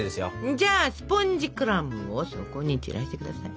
じゃあスポンジクラムを底に散らしてください。